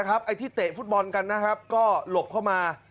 ไอ้ที่เตะฟุตบอลก็หลบเข้ามา